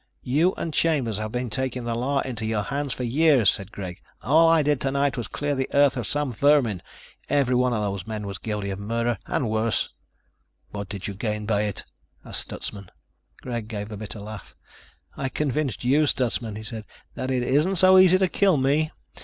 "You and Chambers have been taking the law into your hands for years," said Greg. "All I did tonight was clear the Earth of some vermin. Every one of those men was guilty of murder ... and worse." "What did you gain by it?" asked Stutsman. Greg gave a bitter laugh. "I convinced you, Stutsman," he said, "that it isn't so easy to kill me.